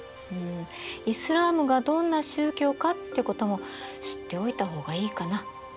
イスラームがどんな宗教かってことも知っておいた方がいいかな。